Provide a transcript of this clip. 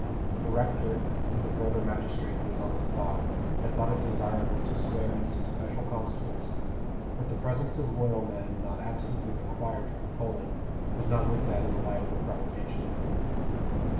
The rector, with a brother magistrate who was on the spot, had thought it desirable to swear in some special constables, but the presence of loyal men not absolutely required for the polling was not looked at in the light of a provocation.